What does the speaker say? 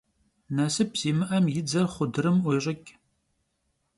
Nasıp zimı'em yi dzer xhudırım 'uêş'ıç'.